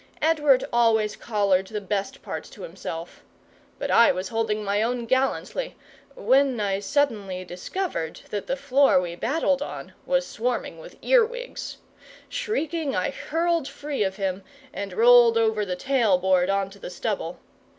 Edward always collared the best parts to himself; but I was holding my own gallantly, when I suddenly discovered that the floor we battled on was swarming with earwigs. Shrieking, I hurled free of him, and rolled over the tail board on to the stubble.